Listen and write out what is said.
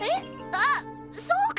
あっそうか。